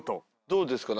どうですか？